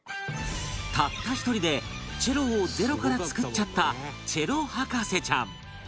たった１人でチェロをゼロから作っちゃったチェロ博士ちゃん